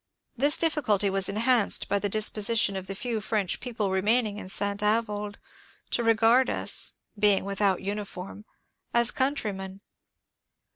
This difficulty was enhanced by the disposition of the few French people remaining in St. Avoid to regard us (being without uniform) as countrymen.